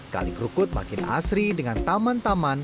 kali kerukut makin asri dengan taman taman